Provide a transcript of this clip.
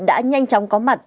đã nhanh chóng có mặt